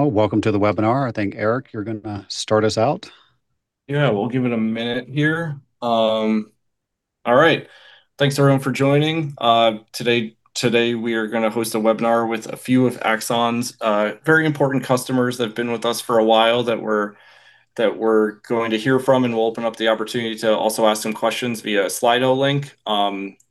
Oh, welcome to the webinar. I think, Erik, you're going to start us out. Yeah. We'll give it a minute here. All right. Thanks everyone for joining. Today we are going to host a webinar with a few of Axon's very important customers that have been with us for a while that we're going to hear from, and we'll open up the opportunity to also ask some questions via Slido link.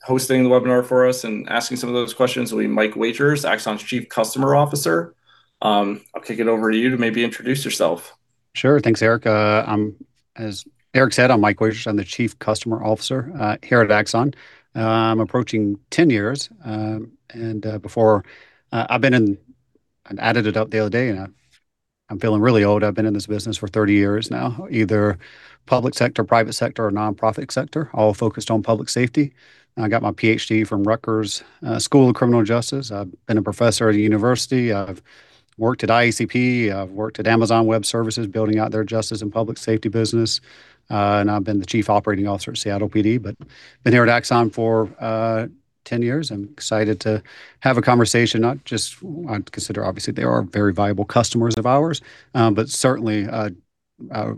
Hosting the webinar for us and asking some of those questions will be Mike Wagers, Axon's Chief Customer Officer. I'll kick it over to you to maybe introduce yourself. Sure. Thanks, Erik. As Erik said, I'm Mike Wagers. I'm the Chief Customer Officer here at Axon. I'm approaching 10 years. I added it up the other day, and I'm feeling really old. I've been in this business for 30 years now, either public sector, private sector, or nonprofit sector, all focused on public safety. I got my PhD from Rutgers School of Criminal Justice. I've been a professor at a university. I've worked at IACP. I've worked at Amazon Web Services, building out their justice and public safety business. I've been the Chief Operating Officer at Seattle PD. Been here at Axon for 10 years. I'm excited to have a conversation, not just I'd consider obviously they are very viable customers of ours, but certainly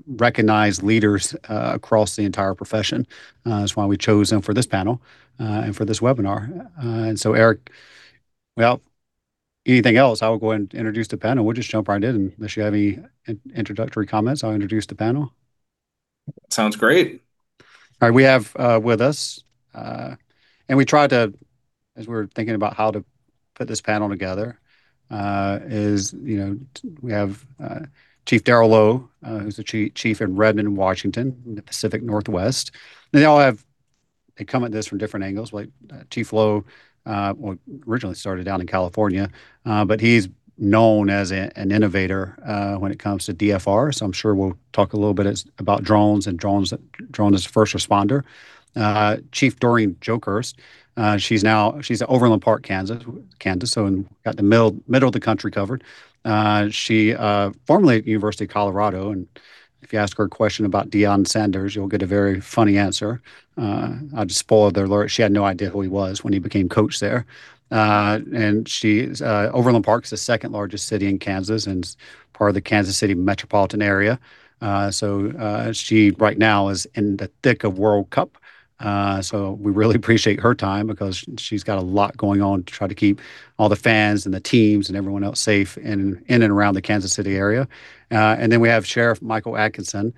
recognized leaders across the entire profession. That's why we chose them for this panel, and for this webinar. Erik, well, anything else, I will go ahead and introduce the panel. We'll just jump right in. Unless you have any introductory comments, I'll introduce the panel. Sounds great. As we were thinking about how to put this panel together is we have Chief Darrell Lowe, who's the Chief in Redmond, Washington, in the Pacific Northwest. They come at this from different angles, like Chief Lowe originally started down in California. He's known as an innovator when it comes to DFRs. I'm sure we'll talk a little bit about drones, and drones as a first responder. Chief Doreen Jokerst, she's at Overland Park, Kansas, got the middle of the country covered. She formerly at University of Colorado, and if you ask her a question about Deion Sanders, you'll get a very funny answer. I'll just spoil it there. She had no idea who he was when he became coach there. Overland Park's the second largest city in Kansas, and it's part of the Kansas City metropolitan area. She right now is in the thick of World Cup. We really appreciate her time because she's got a lot going on to try to keep all the fans and the teams and everyone else safe in and around the Kansas City area. We have Sheriff Michael Adkinson,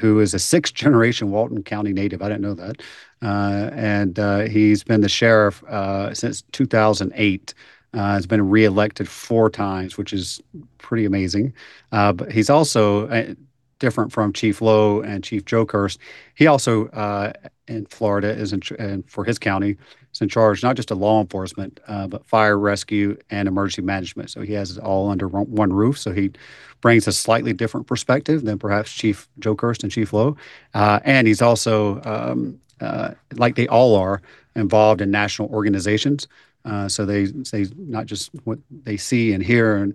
who is a sixth-generation Walton County native. I didn't know that. He's been the Sheriff since 2008. Has been reelected 4x, which is pretty amazing. He's also different from Chief Lowe and Chief Jokerst. He also, in Florida, and for his county, is in charge not just of law enforcement, but fire, rescue, and emergency management. He has it all under one roof. He brings a slightly different perspective than perhaps Chief Jokerst and Chief Lowe. He's also, like they all are, involved in national organizations. They see not just what they see and hear and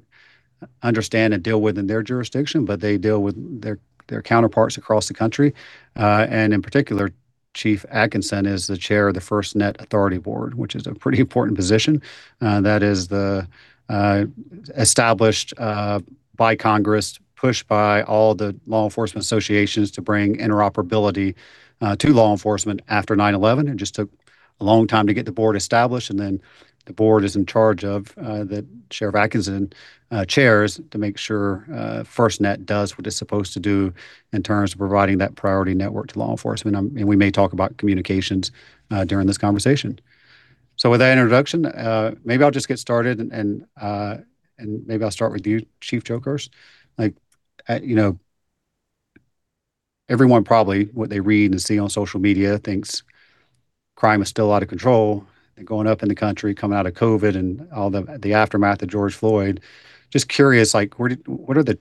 understand and deal with in their jurisdiction, but they deal with their counterparts across the country. In particular, Chief Adkinson is the Chair of the FirstNet Authority Board, which is a pretty important position. That is established by Congress, pushed by all the law enforcement associations to bring interoperability to law enforcement after 9/11. It just took a long time to get the board established, and then the board is in charge of, that Sheriff Adkinson chairs to make sure FirstNet does what it's supposed to do in terms of providing that priority network to law enforcement. We may talk about communications during this conversation. With that introduction, maybe I'll just get started and maybe I'll start with you, Chief Jokerst. Everyone probably, what they read and see on social media thinks crime is still out of control and going up in the country coming out of COVID and all the aftermath of George Floyd. Just curious, where do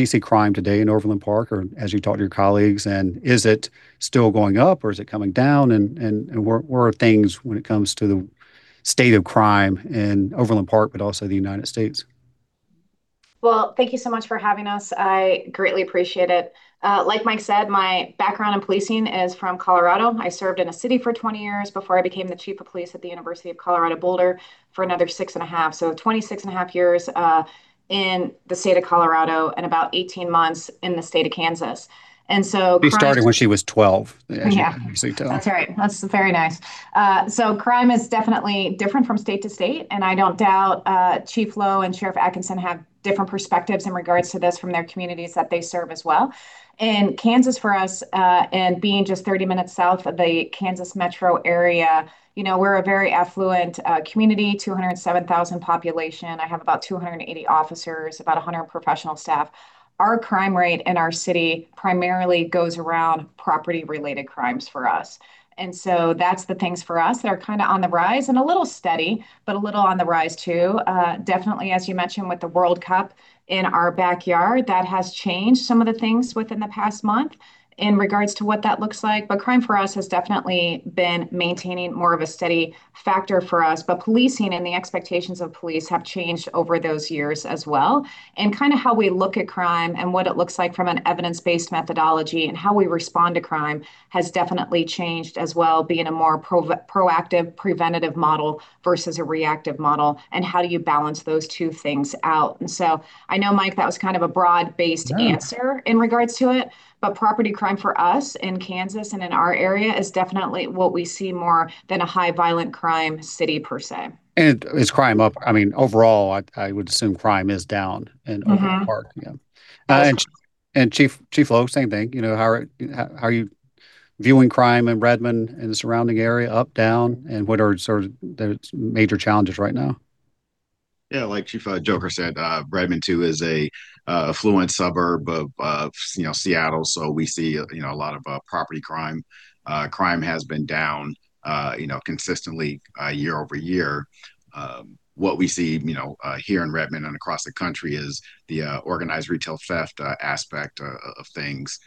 you see crime today in Overland Park, or as you talk to your colleagues, and is it still going up or is it coming down, and where are things when it comes to the state of crime in Overland Park, but also the United States? Well, thank you so much for having us. I greatly appreciate it. Like Mike said, my background in policing is from Colorado. I served in a city for 20 years before I became the chief of police at the University of Colorado Boulder for another 6.5 years. 26.5 years, in the state of Colorado and about 18 months in the state of Kansas. She started when she was 12, as you can see. Yeah. That's right. That's very nice. Crime is definitely different from state to state, and I don't doubt Chief Lowe and Sheriff Adkinson have different perspectives in regards to this from their communities that they serve as well. In Kansas, for us, and being just 30 minutes south of the Kansas Metro area, we're a very affluent community, 207,000 population. I have about 280 officers, about 100 professional staff. Our crime rate in our city primarily goes around property-related crimes for us. That's the things for us that are kind of on the rise and a little steady, a little on the rise, too. Definitely as you mentioned with the World Cup in our backyard, that has changed some of the things within the past month in regards to what that looks like. Crime for us has definitely been maintaining more of a steady factor for us. Policing and the expectations of police have changed over those years as well, and kind of how we look at crime and what it looks like from an evidence-based methodology and how we respond to crime has definitely changed as well, being a more proactive preventative model versus a reactive model, and how do you balance those two things out. I know, Mike, that was kind of a broad-based answer in regards to it, property crime for us in Kansas and in our area is definitely what we see more than a high violent crime city, per se. Is crime up? Overall, I would assume crime is down in Overland Park. Chief Lowe, same thing. How are you viewing crime in Redmond and the surrounding area, up, down, and what are sort of the major challenges right now? Like Chief Jokerst said, Redmond too is an affluent suburb of Seattle, we see a lot of property crime. Crime has been down consistently year-over-year. What we see here in Redmond and across the country is the organized retail theft aspect of things.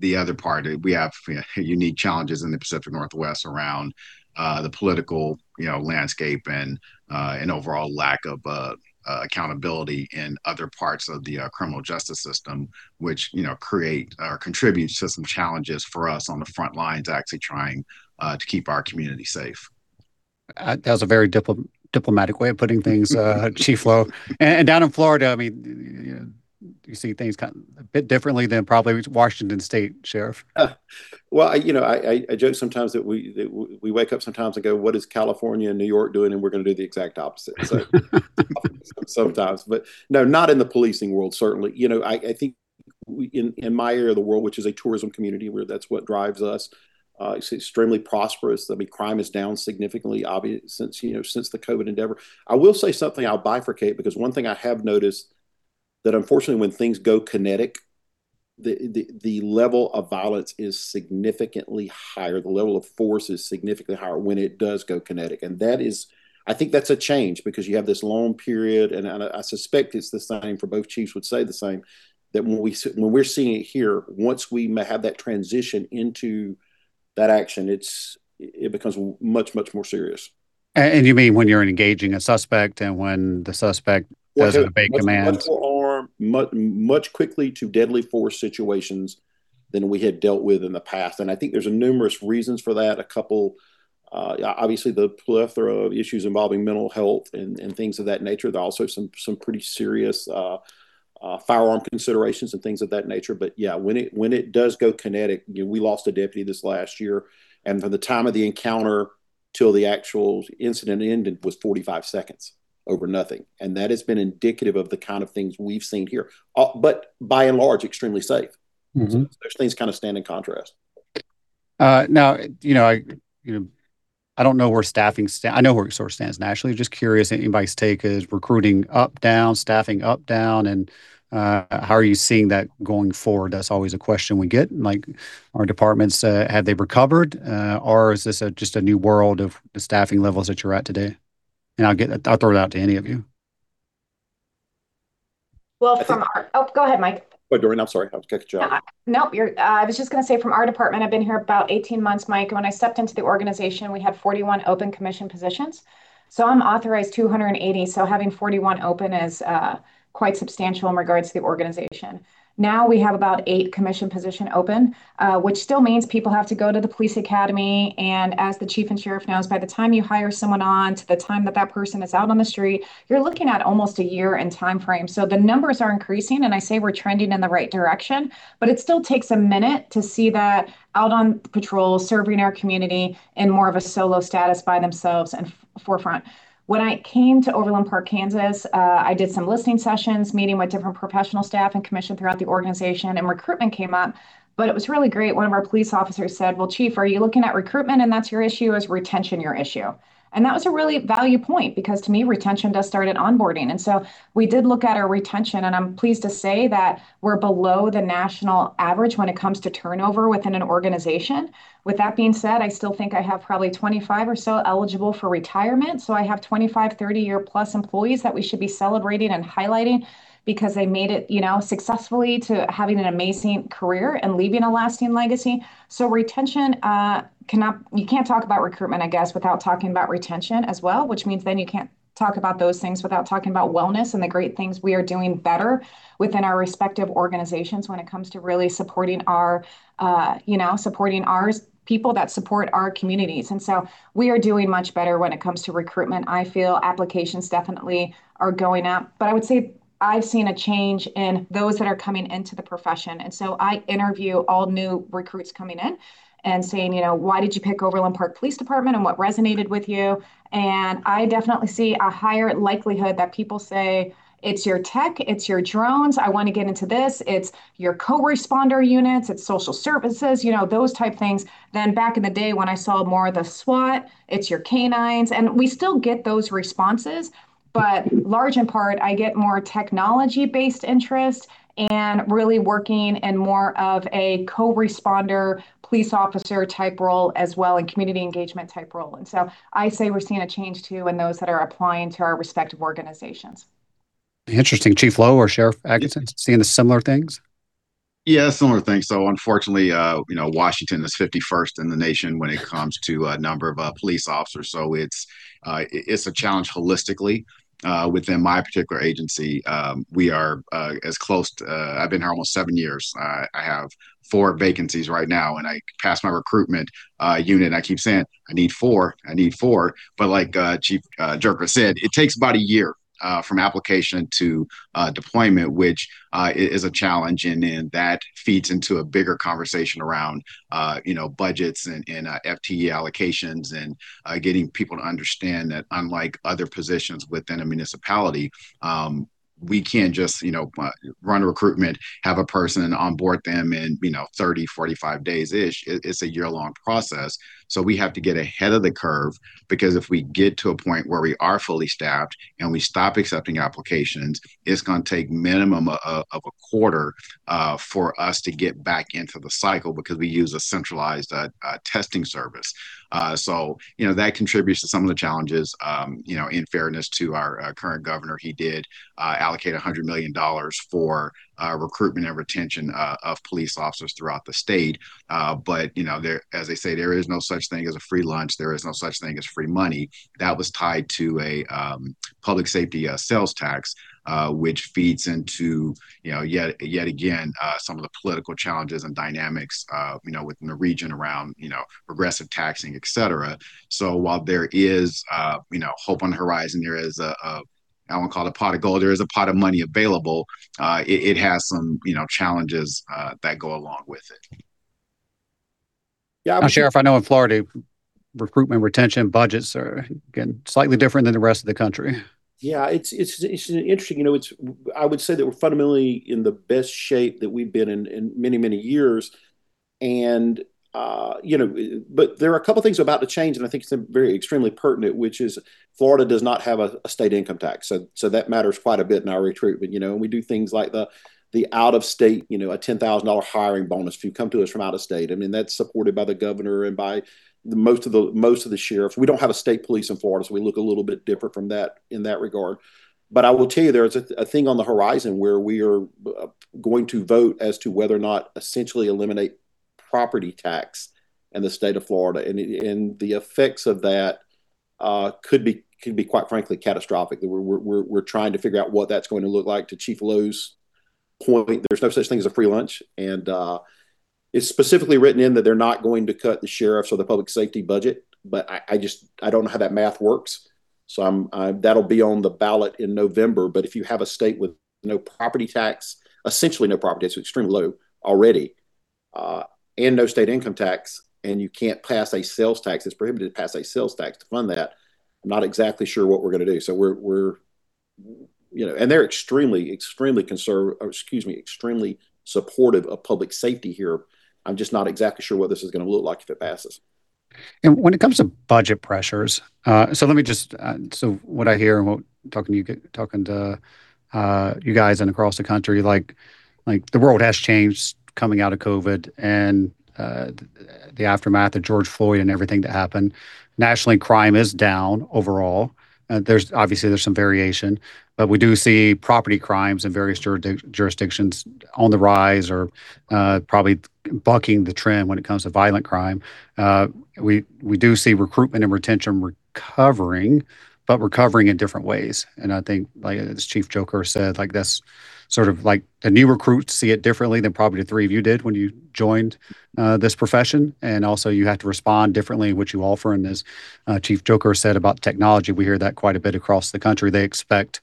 The other part, we have unique challenges in the Pacific Northwest around the political landscape and an overall lack of accountability in other parts of the criminal justice system, which create or contributes to some challenges for us on the front lines, actually trying to keep our community safe. That was a very diplomatic way of putting things, Chief Lowe. Down in Florida, you see things a bit differently than probably Washington State, Sheriff. I joke sometimes that we wake up sometimes and go, "What is California and New York doing?" we're going to do the exact opposite. Sometimes. No, not in the policing world, certainly. I think in my area of the world, which is a tourism community where that's what drives us, it's extremely prosperous. Crime is down significantly since the COVID endeavor. I will say something, I'll bifurcate, because one thing I have noticed, that unfortunately when things go kinetic, the level of violence is significantly higher. The level of force is significantly higher when it does go kinetic. That is, I think that's a change because you have this long period, and I suspect it's the same for both chiefs would say the same, that when we're seeing it here, once we have that transition into that action, it becomes much, much more serious. You mean when you're engaging a suspect and when the suspect doesn't obey commands? Much more harm, much quickly to deadly force situations than we had dealt with in the past. I think there's numerous reasons for that. A couple, obviously the plethora of issues involving mental health and things of that nature. There are also some pretty serious firearm considerations and things of that nature. Yeah, when it does go kinetic, we lost a deputy this last year, From the time of the encounter till the actual incident ended was 45 seconds over nothing. That has been indicative of the kind of things we've seen here. By and large, extremely safe. Those things kind of stand in contrast. Now, I don't know where staffing stand. I know where it sort of stands nationally. Just curious. Anybody's take, is recruiting up, down, staffing up, down, and how are you seeing that going forward? That's always a question we get. Like our departments, have they recovered or is this just a new world of the staffing levels that you're at today? I'll throw it out to any of you. Well, from our-- Oh, go ahead, Mike. Oh, Doreen, I'm sorry. I was getting you going. I was just going to say from our department, I've been here about 18 months, Mike. When I stepped into the organization, we had 41 open commission positions. I'm authorized 280, having 41 open is quite substantial in regards to the organization. We have about eight commission position open, which still means people have to go to the police academy. As the chief and sheriff knows, by the time you hire someone on to the time that that person is out on the street, you're looking at almost a year in timeframe. The numbers are increasing, I say we're trending in the right direction, but it still takes a minute to see that out on patrol, serving our community in more of a solo status by themselves and forefront. When I came to Overland Park, Kansas, I did some listening sessions, meeting with different professional staff and commission throughout the organization, recruitment came up. It was really great. One of our police officers said, "Well, Chief, are you looking at recruitment and that's your issue, or is retention your issue?" That was a really value point because to me, retention does start at onboarding. We did look at our retention, I'm pleased to say that we're below the national average when it comes to turnover within an organization. With that being said, I still think I have probably 25 or so eligible for retirement. I have 25, 30 year plus employees that we should be celebrating and highlighting because they made it successfully to having an amazing career and leaving a lasting legacy. Retention, you can't talk about recruitment, I guess, without talking about retention as well, which means then you can't talk about those things without talking about wellness and the great things we are doing better within our respective organizations when it comes to really supporting ours people that support our communities. We are doing much better when it comes to recruitment. I feel applications definitely are going up. I would say I've seen a change in those that are coming into the profession. I interview all new recruits coming in and saying, "Why did you pick Overland Park Police Department and what resonated with you?" I definitely see a higher likelihood that people say, "It's your tech, it's your drones. I want to get into this. It's your co-responder units, it's social services," those type things. Back in the day when I saw more of the SWAT, it's your canines, and we still get those responses, but large in part, I get more technology-based interest and really working in more of a co-responder, police officer type role as well, and community engagement type role. I say we're seeing a change too in those that are applying to our respective organizations. Interesting. Chief Lowe or Sheriff Adkinson, seeing the similar things? Yeah, similar things. Unfortunately, Washington is 51st in the nation when it comes to number of police officers. It's a challenge holistically within my particular agency. We are as close to I've been here almost seven years. I have four vacancies right now, and I pass my recruitment unit and I keep saying, "I need four. I need four." Like Chief Jokerst said, it takes about a year from application to deployment, which is a challenge. That feeds into a bigger conversation around budgets and FTE allocations and getting people to understand that unlike other positions within a municipality We can't just run recruitment, have a person, onboard them in 30, 45 days-ish. It's a year-long process. We have to get ahead of the curve, because if we get to a point where we are fully staffed and we stop accepting applications, it's going to take minimum of a quarter for us to get back into the cycle because we use a centralized testing service. That contributes to some of the challenges. In fairness to our current governor, he did allocate $100 million for recruitment and retention of police officers throughout the state. As they say, there is no such thing as a free lunch. There is no such thing as free money. That was tied to a public safety sales tax, which feeds into, yet again, some of the political challenges and dynamics within the region around progressive taxing, et cetera. While there is hope on the horizon, there is a pot of money available. It has some challenges that go along with it. Sheriff, I know in Florida, recruitment retention budgets are, again, slightly different than the rest of the country. Yeah, it's interesting. I would say that we're fundamentally in the best shape that we've been in in many, many years. There are a couple things about to change, and I think some very extremely pertinent, which is Florida does not have a state income tax. That matters quite a bit in our recruitment. We do things like the out-of-state, a $10,000 hiring bonus if you come to us from out of state. That's supported by the governor and by most of the sheriffs. We don't have a state police in Florida, so we look a little bit different from that in that regard. I will tell you, there's a thing on the horizon where we are going to vote as to whether or not essentially eliminate property tax in the State of Florida. The effects of that could be, quite frankly, catastrophic. We're trying to figure out what that's going to look like. To Chief Lowe's point, there's no such thing as a free lunch. It's specifically written in that they're not going to cut the sheriff's or the public safety budget, but I don't know how that math works. That'll be on the ballot in November. If you have a state with no property tax, essentially no property tax, extremely low already, and no state income tax, and you can't pass a sales tax, it's prohibited to pass a sales tax to fund that. I'm not exactly sure what we're going to do. They're extremely supportive of public safety here. I'm just not exactly sure what this is going to look like if it passes. When it comes to budget pressures, what I hear in talking to you guys and across the country, the world has changed coming out of COVID and the aftermath of George Floyd and everything that happened. Nationally, crime is down overall. Obviously there's some variation. We do see property crimes in various jurisdictions on the rise or probably bucking the trend when it comes to violent crime. We do see recruitment and retention recovering, but recovering in different ways. I think as Chief Jokerst said, the new recruits see it differently than probably the three of you did when you joined this profession. Also, you have to respond differently in what you offer. As Chief Jokerst said about technology, we hear that quite a bit across the country. They expect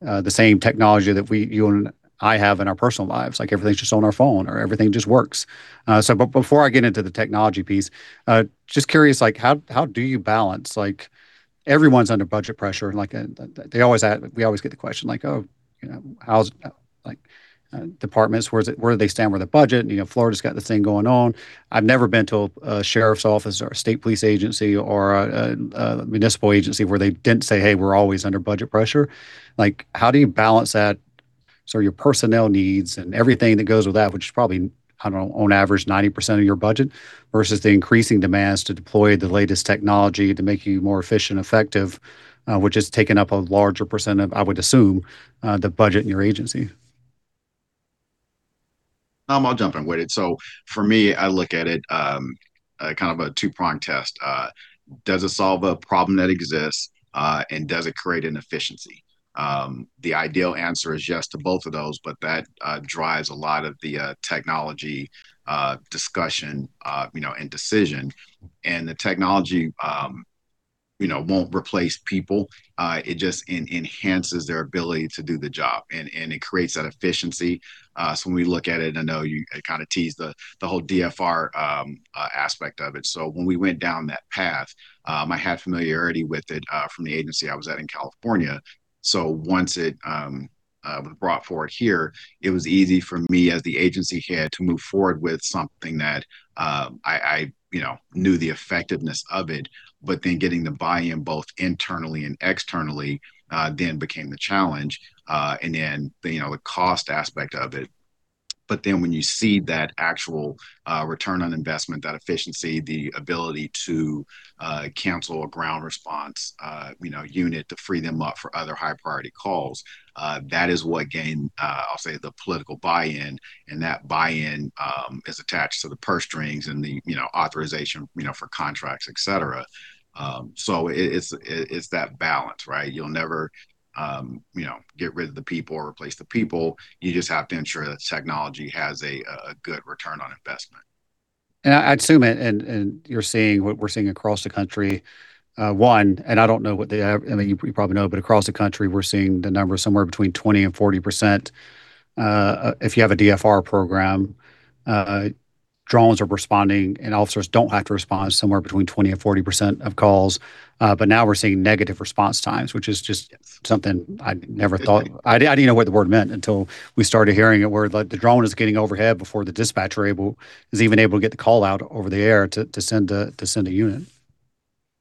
the same technology that you and I have in our personal lives, like everything's just on our phone or everything just works. Before I get into the technology piece, just curious, how do you balance like, everyone's under budget pressure, and we always get the question, like, "Oh, how's departments, where do they stand with the budget?" Florida's got this thing going on. I've never been to a sheriff's office or a state police agency or a municipal agency where they didn't say, "Hey, we're always under budget pressure." How do you balance that? Your personnel needs and everything that goes with that, which is probably, I don't know, on average, 90% of your budget, versus the increasing demands to deploy the latest technology to make you more efficient, effective, which has taken up a larger percent of, I would assume, the budget in your agency. I'll jump in, Wage. For me, I look at it, kind of a two-pronged test. Does it solve a problem that exists? Does it create an efficiency? The ideal answer is yes to both of those, that drives a lot of the technology discussion and decision. The technology won't replace people. It just enhances their ability to do the job, and it creates that efficiency. When we look at it, I know you kind of teased the whole DFR aspect of it. When we went down that path, I had familiarity with it from the agency I was at in California. Once it was brought forward here, it was easy for me as the agency head to move forward with something that I knew the effectiveness of it. Getting the buy-in both internally and externally then became the challenge. The cost aspect of it. When you see that actual return on investment, that efficiency, the ability to cancel a ground response unit to free them up for other high-priority calls, that is what gained, I'll say, the political buy-in, and that buy-in is attached to the purse strings and the authorization for contracts, et cetera. It's that balance, right? You'll never get rid of the people or replace the people. You just have to ensure that technology has a good return on investment. I assume, and you're seeing what we're seeing across the country. You probably know, but across the country, we're seeing the number somewhere between 20% and 40%, if you have a DFR program, Drones are responding, and officers don't have to respond to somewhere between 20% and 40% of calls. Now we're seeing negative response times, which is just something I never thought. I didn't know what the word meant until we started hearing it, where the drone is getting overhead before the dispatcher is even able to get the call out over the air to send a unit.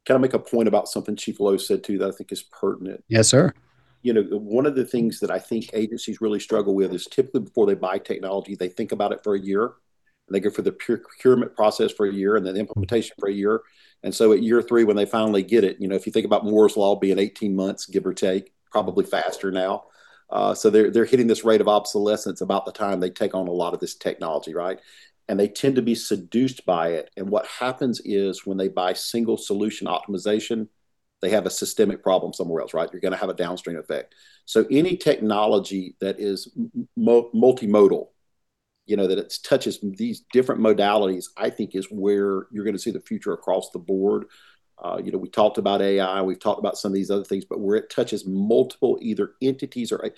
Can I make a point about something Chief Lowe said too that I think is pertinent? Yes, sir. One of the things that I think agencies really struggle with is typically before they buy technology, they think about it for a year, and they go through the procurement process for a year, and then the implementation for a year. At year three when they finally get it, if you think about Moore's law being 18 months, give or take, probably faster now. They're hitting this rate of obsolescence about the time they take on a lot of this technology, right? They tend to be seduced by it. What happens is when they buy single solution optimization, they have a systemic problem somewhere else, right? You're going to have a downstream effect. Any technology that is multimodal, that it touches these different modalities, I think is where you're going to see the future across the board. We talked about AI, we've talked about some of these other things, but where it touches multiple either entities or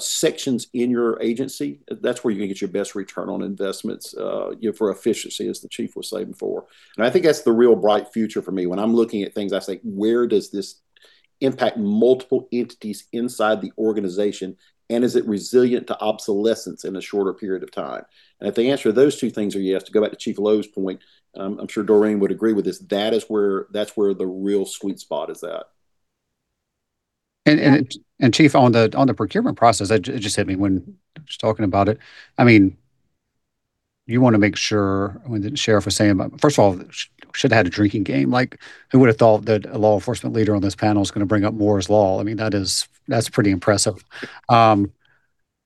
sections in your agency, that's where you're going to get your best return on investments for efficiency, as the chief was saying before. I think that's the real bright future for me. When I'm looking at things, I think where does this impact multiple entities inside the organization and is it resilient to obsolescence in a shorter period of time? If the answer to those two things are yes, to go back to Chief Lowe's point, I'm sure Doreen would agree with this, that is where the real sweet spot is at. Chief, on the procurement process, it just hit me when just talking about it. You want to make sure, the sheriff was saying about. First of all, should have had a drinking game. Who would've thought that a law enforcement leader on this panel is going to bring up Moore's law? That's pretty impressive.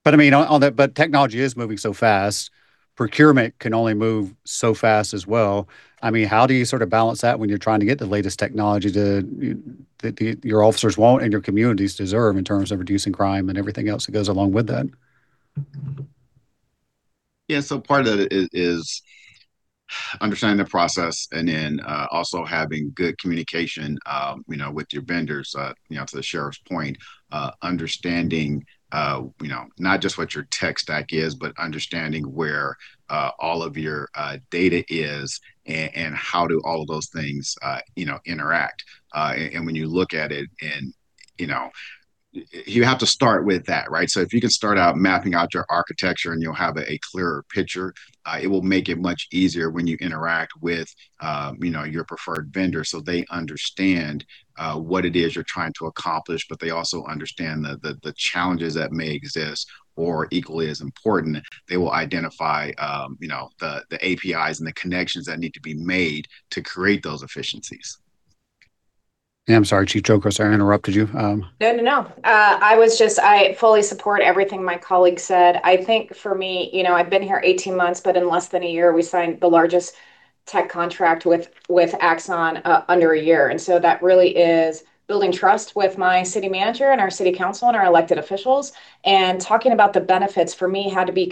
Technology is moving so fast. Procurement can only move so fast as well. How do you sort of balance that when you're trying to get the latest technology that your officers want, and your communities deserve in terms of reducing crime and everything else that goes along with that? Yeah. Part of it is understanding the process and then also having good communication with your vendors. To the sheriff's point, understanding not just what your tech stack is, but understanding where all of your data is and how do all of those things interact. When you look at it in, you have to start with that, right? If you can start out mapping out your architecture and you'll have a clearer picture, it will make it much easier when you interact with your preferred vendor so they understand what it is you're trying to accomplish. They also understand the challenges that may exist, or equally as important, they will identify the APIs and the connections that need to be made to create those efficiencies. Yeah. I'm sorry, Chief Jokerst, I interrupted you. No, no. I fully support everything my colleague said. I think for me, I've been here 18 months, but in less than a year, we signed the largest tech contract with Axon under a year. That really is building trust with my city manager and our city council and our elected officials. Talking about the benefits for me had to be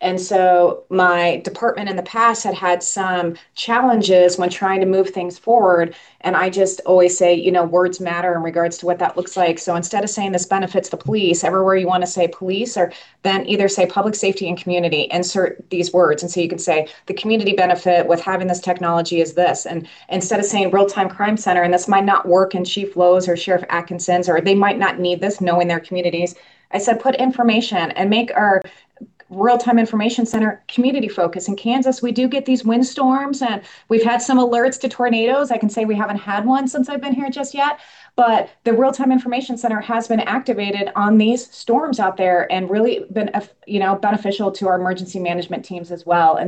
community-centric. My department in the past had had some challenges when trying to move things forward. I just always say, words matter in regards to what that looks like. Instead of saying this benefits the police, everywhere you want to say police, then either say public safety and community, insert these words. You can say, "The community benefit with having this technology is this." Instead of saying Real Time Crime Center, and this might not work in Chief Lowe's or Sheriff Adkinson's, or they might not need this knowing their communities. I said put information and make our Real Time Information Center community focused. In Kansas, we do get these windstorms, and we've had some alerts to tornadoes. I can say we haven't had one since I've been here just yet, but the Real Time Information Center has been activated on these storms out there and really been beneficial to our emergency management teams as well.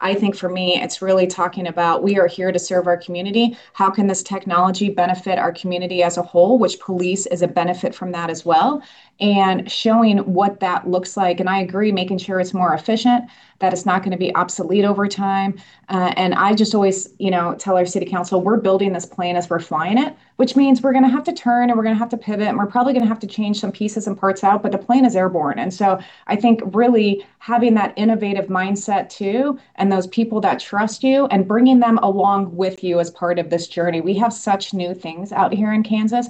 I think for me, it's really talking about we are here to serve our community. How can this technology benefit our community as a whole? Which police is a benefit from that as well, and showing what that looks like. I agree, making sure it's more efficient, that it's not going to be obsolete over time. I just always tell our city council, we're building this plane as we're flying it, which means we're going to have to turn, and we're going to have to pivot, and we're probably going to have to change some pieces and parts out, but the plane is airborne. I think really having that innovative mindset too, and those people that trust you and bringing them along with you as part of this journey. We have such new things out here in Kansas.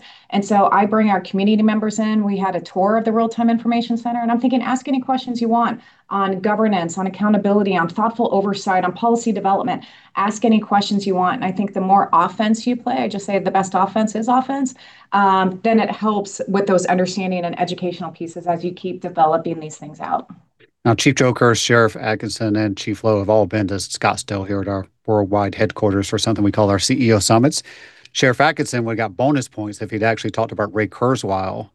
I bring our community members in. We had a tour of the Real Time Information Center. I'm thinking, ask any questions you want on governance, on accountability, on thoughtful oversight, on policy development. Ask any questions you want. I think the more offense you play, I just say the best offense is offense. It helps with those understanding and educational pieces as you keep developing these things out. Chief Jokerst, Sheriff Adkinson, and Chief Lowe have all been to Scottsdale here at our worldwide headquarters for something we call our CEO summits. Sheriff Adkinson would've got bonus points if he'd actually talked about Ray Kurzweil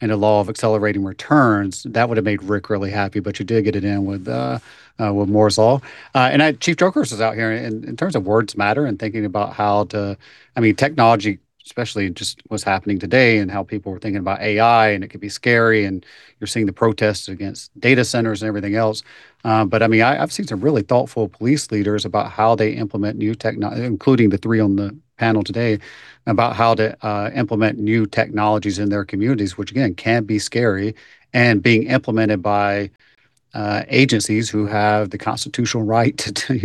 and the law of accelerating returns. That would've made Rick really happy. You did get it in with Moore's law. Chief Jokerst is out here in terms of words matter and thinking about Technology especially just what's happening today and how people were thinking about AI, and it could be scary, and you're seeing the protests against data centers and everything else. I've seen some really thoughtful police leaders about how they implement new technologies, including the three on the panel today, about how to implement new technologies in their communities, which again, can be scary and being implemented by agencies who have the constitutional right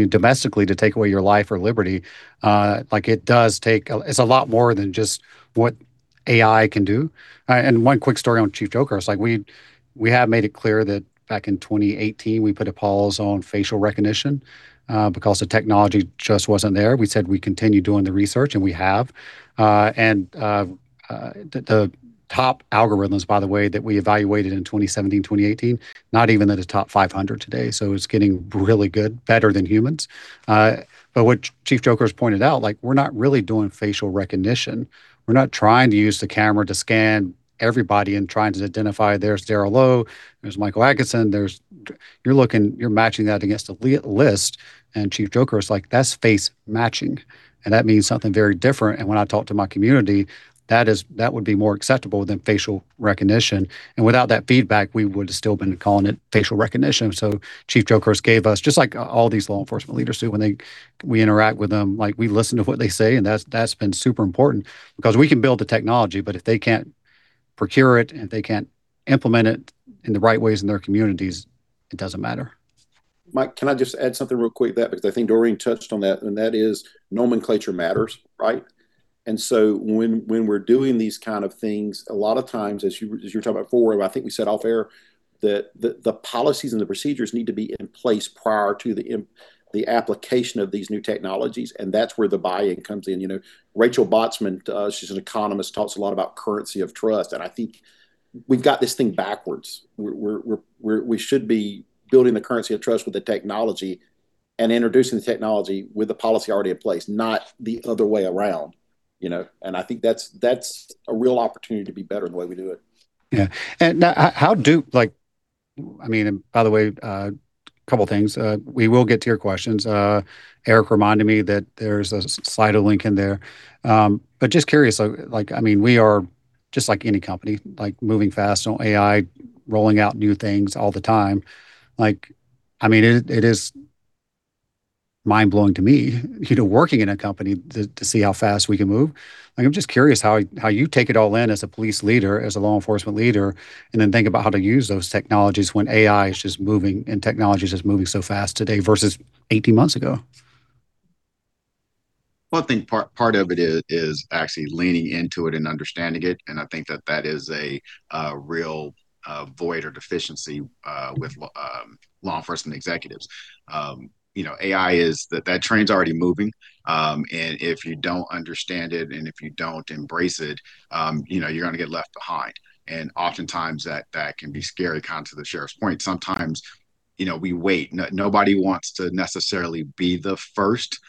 domestically to take away your life or liberty. It's a lot more than just what AI can do. One quick story on Chief Jokerst. We have made it clear that back in 2018, we put a pause on facial recognition because the technology just wasn't there. We said we'd continue doing the research, and we have. The top algorithms, by the way, that we evaluated in 2017, 2018, not even in the top 500 today. It's getting really good, better than humans. What Chief Jokerst pointed out, we're not really doing facial recognition. We're not trying to use the camera to scan everybody and trying to identify, there's Darrell Lowe, there's Michael Adkinson. You're matching that against a list. Chief Jokerst is like, "That's face matching, and that means something very different. When I talk to my community, that would be more acceptable than facial recognition." Without that feedback, we would've still been calling it facial recognition. Chief Jokerst gave us, just like all these law enforcement leaders do when we interact with them, we listen to what they say, and that's been super important. We can build the technology, but if they can't procure it and if they can't implement it in the right ways in their communities, it doesn't matter. Mike, can I just add something real quick to that? I think Doreen touched on that, and that is nomenclature matters, right? When we're doing these kind of things, a lot of times, as you were talking about before, I think we said off air, that the policies and the procedures need to be in place prior to the application of these new technologies, and that's where the buy-in comes in. Rachel Botsman, she's an economist, talks a lot about currency of trust. I think we've got this thing backwards. We should be building the currency of trust with the technology and introducing the technology with the policy already in place, not the other way around. I think that's a real opportunity to be better the way we do it. Yeah. By the way, a couple of things. We will get to your questions. Erik reminded me that there's a Slido link in there. Just curious, we are just like any company, moving fast on AI, rolling out new things all the time. It is mind-blowing to me, working in a company, to see how fast we can move. I'm just curious how you take it all in as a police leader, as a law enforcement leader, and then think about how to use those technologies when AI is just moving and technology is just moving so fast today versus 18 months ago. Well, I think part of it is actually leaning into it and understanding it. I think that that is a real void or deficiency with law enforcement executives. AI, that train's already moving, and if you don't understand it and if you don't embrace it, you're going to get left behind. Oftentimes that can be scary. Kind of to the sheriff's point, sometimes we wait. Nobody wants to necessarily be the first,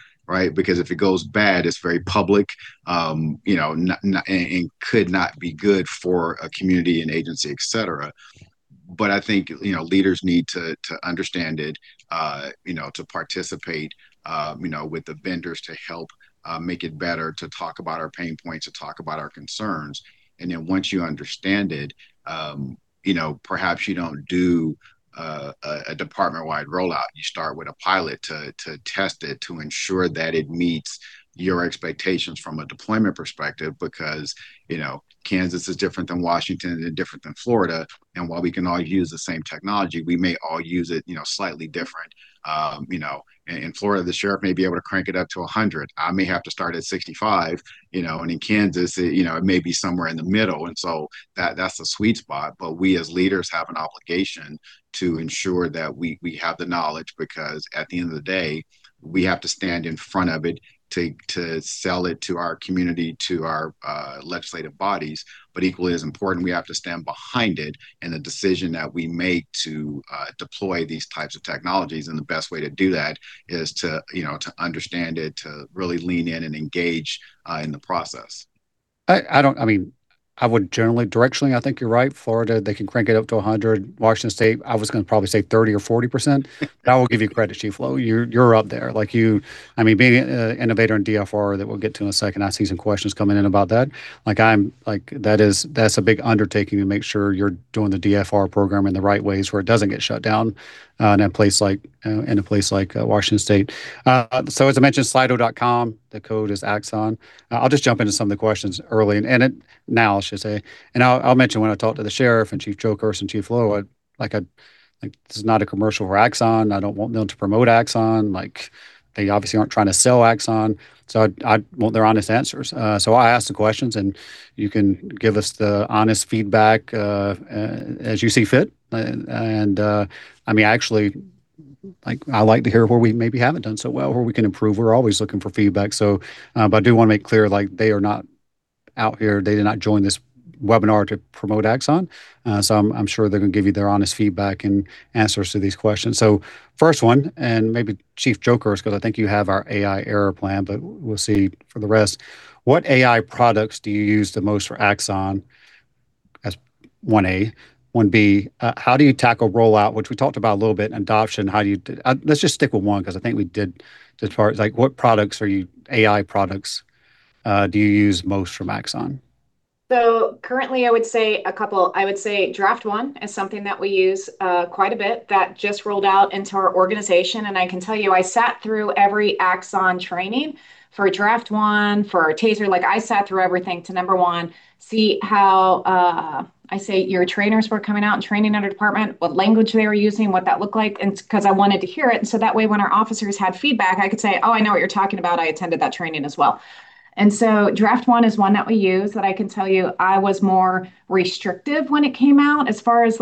because if it goes bad, it's very public, and could not be good for a community, an agency, et cetera. I think leaders need to understand it, to participate with the vendors to help make it better, to talk about our pain points, to talk about our concerns. Once you understand it, perhaps you don't do a department-wide rollout. You start with a pilot to test it, to ensure that it meets your expectations from a deployment perspective. Because Kansas is different than Washington and different than Florida, and while we can all use the same technology, we may all use it slightly different. In Florida, the sheriff may be able to crank it up to 100. I may have to start at 65. So that's the sweet spot. We as leaders have an obligation to ensure that we have the knowledge, because at the end of the day, we have to stand in front of it to sell it to our community, to our legislative bodies. Equally as important, we have to stand behind it and the decision that we make to deploy these types of technologies, and the best way to do that is to understand it, to really lean in and engage in the process. Directionally, I think you're right. Florida, they can crank it up to 100. Washington State, I was going to probably say 30% or 40%. I will give you credit, Chief Lowe, you're up there. Being an innovator in DFR, that we'll get to in a second. I see some questions coming in about that. That's a big undertaking to make sure you're doing the DFR program in the right ways where it doesn't get shut down in a place like Washington State. As I mentioned, slido.com. The code is Axon. I'll just jump into some of the questions early. Now, I should say, and I'll mention when I talked to the sheriff and Chief Jokerst and Chief Lowe, this is not a commercial for Axon. I don't want them to promote Axon. They obviously aren't trying to sell Axon. I want their honest answers. I'll ask the questions, and you can give us the honest feedback as you see fit. Actually, I like to hear where we maybe haven't done so well, where we can improve. We're always looking for feedback. I do want to make clear, they are not out here, they did not join this webinar to promote Axon. I'm sure they're going to give you their honest feedback and answers to these questions. First one, and maybe Chief Jokerst, because I think you have our AI Era Plan, but we'll see for the rest. What AI products do you use the most for Axon? That's 1A. 1B, how do you tackle rollout? Which we talked about a little bit, and adoption. Let's just stick with one, because I think we did as far as like what AI products do you use most from Axon? Currently, I would say a couple. I would say Draft One is something that we use quite a bit that just rolled out into our organization, I can tell you, I sat through every Axon training for Draft One, for TASER. I sat through everything to, number one, see how your trainers were coming out and training other department, what language they were using, what that looked like. It's because I wanted to hear it, so that way when our officers had feedback, I could say, "Oh, I know what you're talking about. I attended that training as well." Draft One is one that we use that I can tell you I was more restrictive when it came out as far as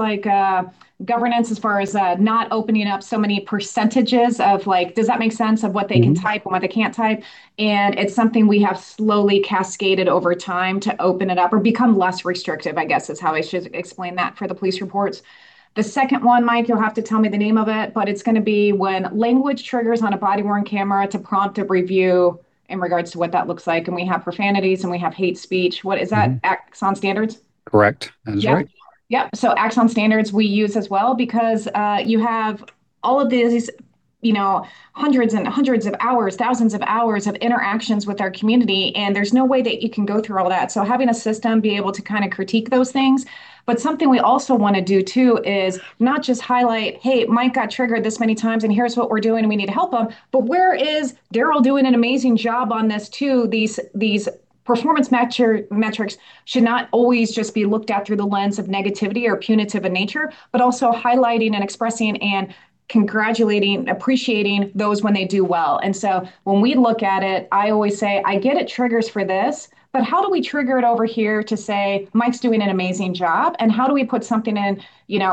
governance, as far as not opening up so many percentages of, does that make sense, of what they can type and what they can't type. It's something we have slowly cascaded over time to open it up or become less restrictive, I guess, is how I should explain that for the police reports. The second one, Mike, you'll have to tell me the name of it, but it's going to be when language triggers on a body-worn camera to prompt a review in regards to what that looks like, we have profanities and we have hate speech. What is that? Axon Standards? Correct. That is right. Yep. Axon Standards we use as well because you have all of these hundreds and hundreds of hours, thousands of hours of interactions with our community, there's no way that you can go through all that. Having a system be able to critique those things. Something we also want to do too is not just highlight, "Hey, Mike got triggered this many times, and here's what we're doing, and we need to help him." Where is Darrell doing an amazing job on this too? These performance metrics should not always just be looked at through the lens of negativity or punitive in nature, but also highlighting and expressing and congratulating, appreciating those when they do well. When we look at it, I always say, I get it triggers for this. How do we trigger it over here to say Mike's doing an amazing job, and how do we put something in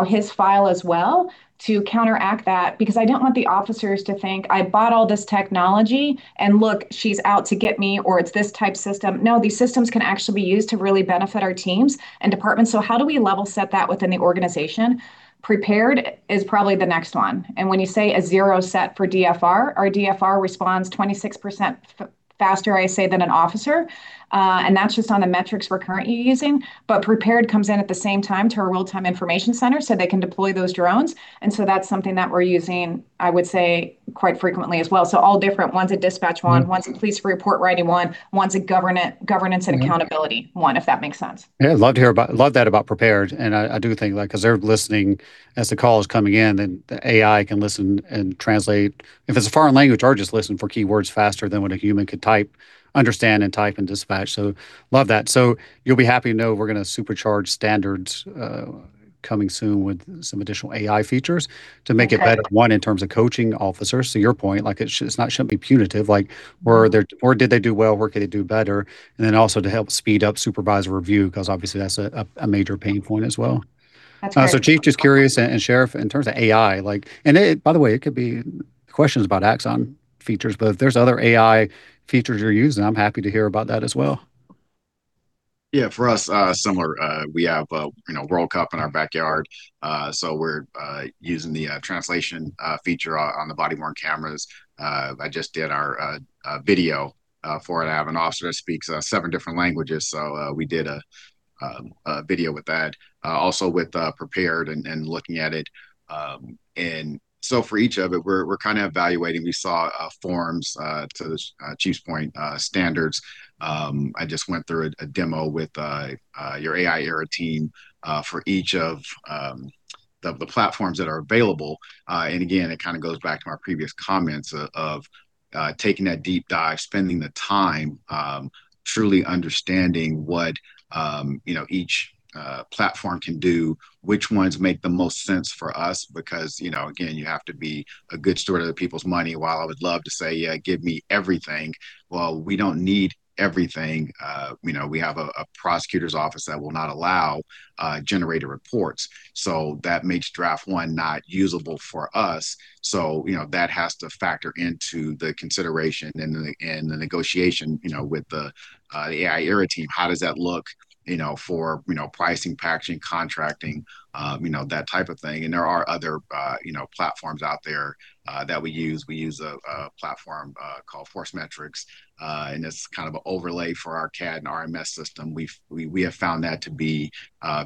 his file as well to counteract that? I don't want the officers to think I bought all this technology, and look, she's out to get me, or it's this type system. No, these systems can actually be used to really benefit our teams and departments. How do we level set that within the organization? Prepared is probably the next one. When you say a zero set for DFR, our DFR responds 26% faster, I say, than an officer. That's just on the metrics we're currently using. Prepared comes in at the same time to our Real Time Information Center, so they can deploy those drones. That's something that we're using, I would say, quite frequently as well. All different. One's a dispatch one's a police report writing one's a governance and accountability one, if that makes sense. Yeah, love that about Prepared. I do think because they're listening as the call is coming in, then the AI can listen and translate if it's a foreign language, or just listen for keywords faster than what a human could type, understand, and type and dispatch. Love that. You'll be happy to know we're going to supercharge Standards coming soon with some additional AI features to make it better, one, in terms of coaching officers. To your point, it shouldn't be punitive. Were they or did they do well, where could they do better? Also to help speed up supervisor review because obviously that's a major pain point as well. That's great. Chief, just curious, and Sheriff, in terms of AI, and by the way, it could be questions about Axon features, but if there's other AI features you're using, I'm happy to hear about that as well. For us, similar. We have World Cup in our backyard. We're using the translation feature on the body-worn cameras. I just did our video for it. I have an officer that speaks seven different languages, so we did a video with that. Also with Prepared and looking at it. For each of it, we're kind of evaluating. We saw forms, to the chief's point, Axon Standards. I just went through a demo with your AI Era team for each of the platforms that are available. Again, it kind of goes back to my previous comments of taking that deep dive, spending the time, truly understanding what each platform can do, which ones make the most sense for us because again, you have to be a good steward of the people's money. While I would love to say, "Yeah, give me everything," well, we don't need everything. We have a prosecutor's office that will not allow generated reports. That makes Draft One not usable for us, so that has to factor into the consideration and the negotiation with the AI Era team. How does that look for pricing, packaging, contracting, that type of thing. There are other platforms out there that we use. We use a platform called ForceMetrics, and it's kind of an overlay for our CAD and RMS system. We have found that to be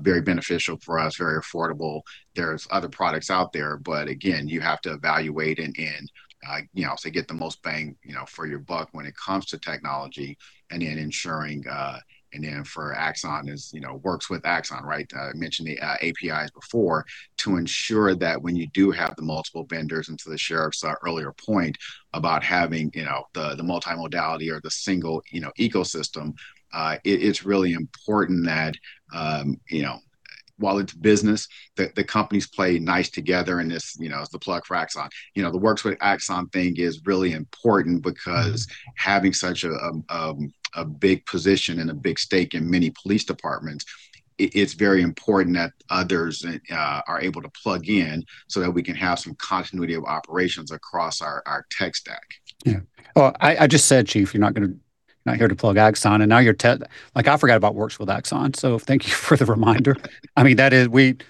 very beneficial for us, very affordable. There's other products out there, but again, you have to evaluate and so get the most bang for your buck when it comes to technology and in ensuring and then for Axon is Works with Axon, right? I mentioned the APIs before to ensure that when you do have the multiple vendors, and to the sheriff's earlier point about having the multimodality or the single ecosystem, it is really important that while it is business, that the companies play nice together in this, as the plug for Axon. The Works with Axon thing is really important because having such a big position and a big stake in many police departments, it is very important that others are able to plug in so that we can have some continuity of operations across our tech stack. Well, I just said, Chief, you are not going to I am not here to plug Axon. Now I forgot about Works with Axon, thank you for the reminder. It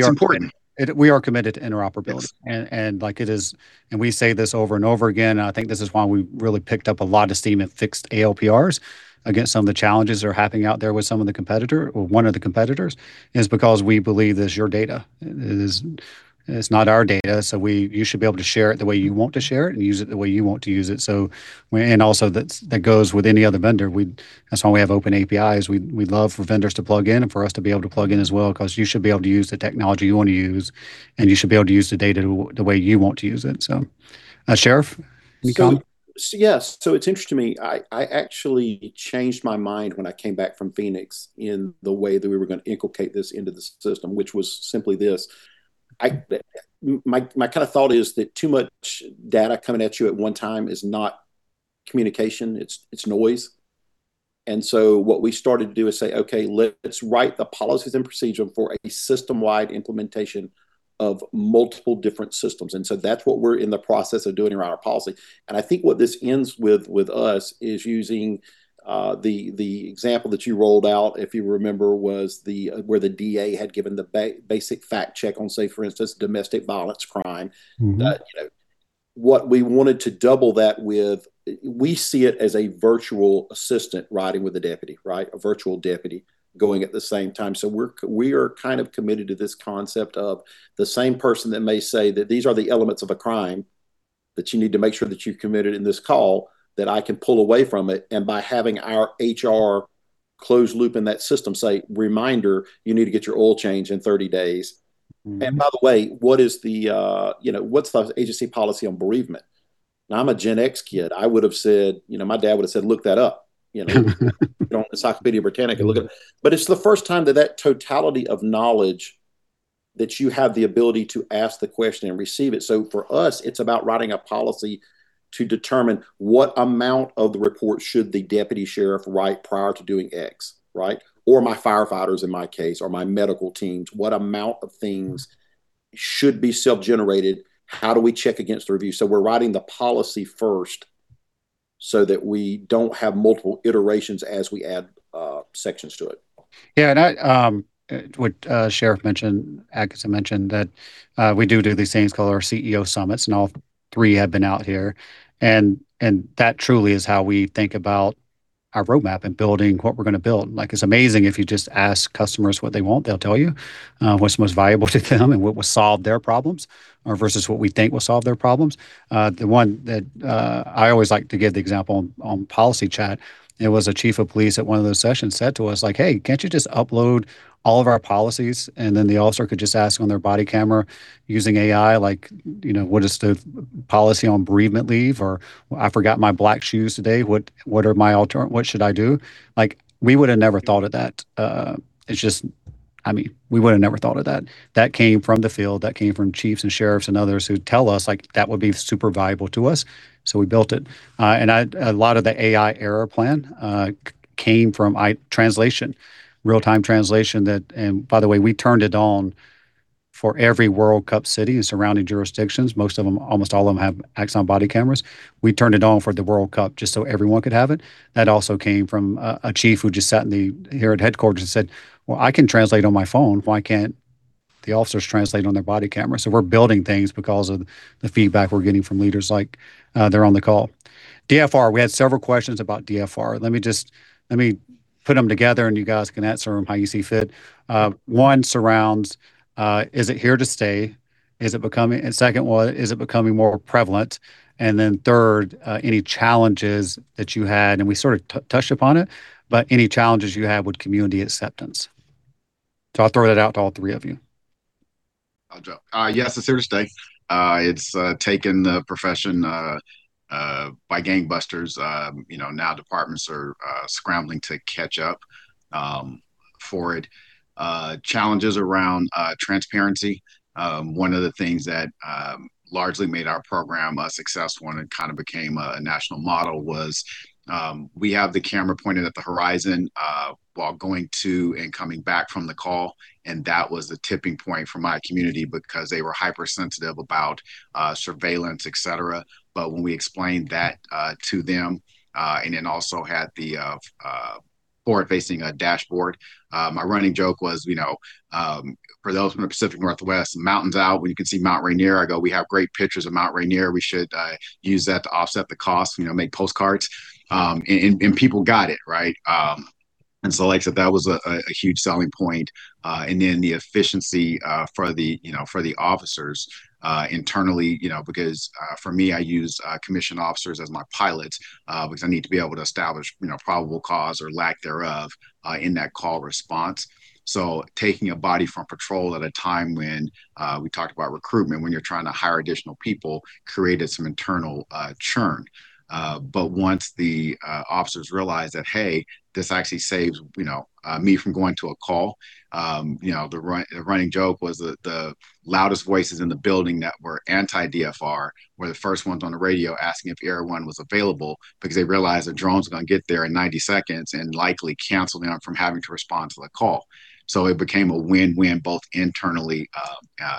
is important. We are committed to interoperability. Yes. We say this over and over again, I think this is why we really picked up a lot of steam at fixed ALPRs against some of the challenges that are happening out there with one of the competitors, because we believe that it's your data. It is not our data. You should be able to share it the way you want to share it and use it the way you want to use it. That goes with any other vendor. That's why we have open APIs. We love for vendors to plug in and for us to be able to plug in as well because you should be able to use the technology you want to use, and you should be able to use the data the way you want to use it. Sheriff, you come? Yes. It's interesting to me. I actually changed my mind when I came back from Phoenix in the way that we were going to inculcate this into the system, which was simply this. My thought is that too much data coming at you at one time is not communication, it's noise. What we started to do is say, "Okay, let's write the policies and procedure for a system-wide implementation of multiple different systems." That's what we're in the process of doing around our policy. I think what this ends with us, is using the example that you rolled out, if you remember, was where the DA had given the basic fact check on, say, for instance, domestic violence crime. What we wanted to double that with, we see it as a virtual assistant riding with a deputy, right? A virtual deputy going at the same time. We are kind of committed to this concept of the same person that may say that these are the elements of a crime that you need to make sure that you've committed in this call, that I can pull away from it, and by having our HR closed loop in that system say, "Reminder, you need to get your oil changed in 30 days. By the way, what's the agency policy on bereavement?" Now, I'm a Gen X kid. My dad would've said, "Look that up." "Go on the Encyclopædia Britannica and look it up." It's the first time that that totality of knowledge that you have the ability to ask the question and receive it. For us, it's about writing a policy to determine what amount of the report should the deputy sheriff write prior to doing X, right? Or my firefighters in my case, or my medical teams. What amount of things should be self-generated? How do we check against the review? We're writing the policy first so that we don't have multiple iterations as we add sections to it. What Sheriff mentioned, Axon mentioned, that we do these things called our CEO summits, and all three have been out here. That truly is how we think about our roadmap and building what we're going to build. It's amazing if you just ask customers what they want. They'll tell you what's most valuable to them and what will solve their problems, or versus what we think will solve their problems. The one that I always like to give the example on Policy Chat, it was a chief of police at one of those sessions said to us, "Hey, can't you just upload all of our policies?" Then the officer could just ask on their body camera using AI, "What is the policy on bereavement leave?" "I forgot my black shoes today. What should I do?" We would have never thought of that. We would've never thought of that. That came from the field. That came from chiefs and sheriffs and others who tell us, "That would be super valuable to us." We built it. A lot of the AI Era Plan came from translation, real-time translation that, by the way, we turned it on for every World Cup city and surrounding jurisdictions. Most of them, almost all of them, have Axon body cameras. We turned it on for the World Cup just so everyone could have it. That also came from a chief who just sat here at headquarters and said, "Well, I can translate on my phone. Why can't the officers translate on their body camera?" We're building things because of the feedback we're getting from leaders like, they're on the call. DFR. We had several questions about DFR. Let me put them together, and you guys can answer them how you see fit. One surrounds, is it here to stay? Second one, is it becoming more prevalent? Third, any challenges that you had, and we sort of touched upon it, but any challenges you had with community acceptance? I'll throw that out to all three of you. I'll jump. Yes, it's here to stay. It's taken the profession by gangbusters. Now departments are scrambling to catch up for it. Challenges around transparency. One of the things that largely made our program successful and it kind of became a national model was we have the camera pointed at the horizon while going to and coming back from the call, and that was the tipping point for my community because they were hypersensitive about surveillance, et cetera. When we explained that to them and also had the forward-facing dashboard. My running joke was for those from the Pacific Northwest, mountains out, when you can see Mount Rainier, I go, "We have great pictures of Mount Rainier. We should use that to offset the cost, make postcards." People got it, right? Like I said, that was a huge selling point. The efficiency for the officers internally because for me, I use commissioned officers as my pilots because I need to be able to establish probable cause or lack thereof in that call response. Taking a body from patrol at a time when we talked about recruitment, when you're trying to hire additional people, created some internal churn. Once the officers realized that, "Hey, this actually saves me from going to a call." The running joke was that the loudest voices in the building that were anti-DFR were the first ones on the radio asking if Air One was available because they realized a drone's going to get there in 90 seconds and likely cancel them from having to respond to the call. It became a win-win both internally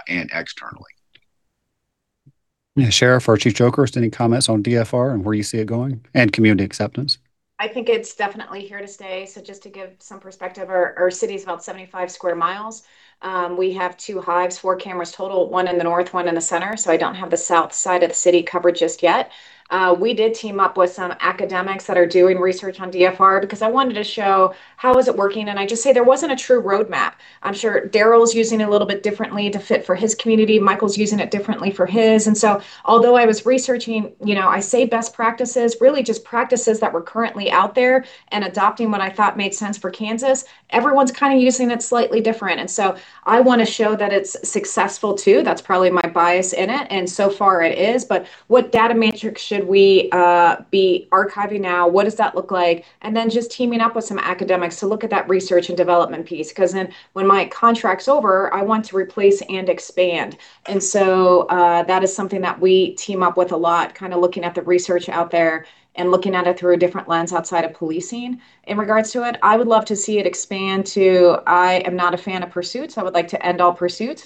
and externally. Yeah. Sheriff or Chief Jokerst, any comments on DFR and where you see it going and community acceptance? I think it's definitely here to stay. Just to give some perspective, our city's about 75 sq mi. We have two hives, four cameras total, one in the north, one in the center. I don't have the south side of the city covered just yet. We did team up with some academics that are doing research on DFR because I wanted to show how is it working, and I just say there wasn't a true roadmap. I'm sure Darrell's using a little bit differently to fit for his community. Michael's using it differently for his. Although I was researching, I say best practices, really just practices that were currently out there and adopting what I thought made sense for Kansas. Everyone's kind of using it slightly different. I want to show that it's successful too. That's probably my bias in it, and so far it is. What data matrix should we be archiving now? What does that look like? Just teaming up with some academics to look at that research and development piece, because then when my contract's over, I want to replace and expand. That is something that we team up with a lot, kind of looking at the research out there and looking at it through a different lens outside of policing in regards to it. I would love to see it expand too. I am not a fan of pursuits. I would like to end all pursuits,